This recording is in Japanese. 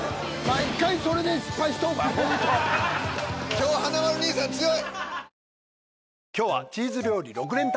今日華丸兄さん強い。